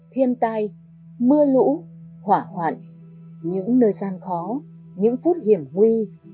thiên tai mưa lũ hỏa hoạn những nơi gian khó những phút hiểm huy